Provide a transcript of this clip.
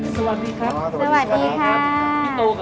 สวัสดีครับสวัสดีครับ